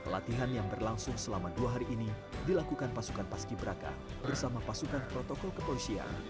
latihan yang berlangsung selama dua hari ini dilakukan pasukan pas ki braka bersama pasukan protokol kepoisian